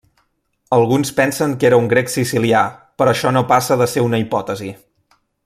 Alguns pensen que era un grec sicilià, però això no passa de ser una hipòtesi.